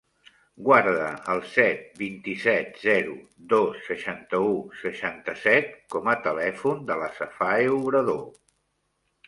Guarda el set, vint-i-set, zero, dos, seixanta-u, seixanta-set com a telèfon de la Safae Obrador.